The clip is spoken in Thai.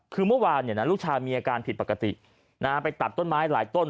คือเมื่อวานลูกชายมีอาการผิดปกติไปตัดต้นไม้หลายต้น